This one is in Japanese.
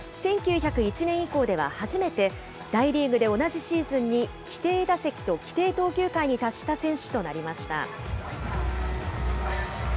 １９０１年以降では初めて、大リーグで同じシーズンに、規定打席と規定投球回に達した選手となりました。